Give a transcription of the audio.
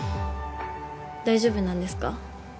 大丈夫なんですか？